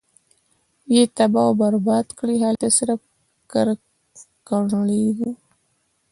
ئي تباه او برباد کړې!! هلته صرف کرکنړي او